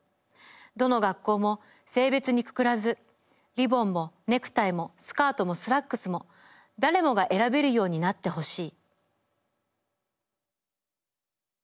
どの学校も性別にくくらずリボンもネクタイもスカートもスラックスも誰もが選べるようになってほしい」。